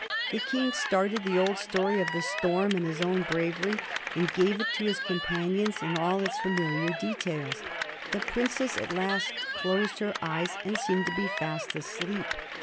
The King started the old story of the storm and his own bravery, and gave it to his companions in all its familiar details. The princess at last closed her eyes, and seemed to be fast asleep.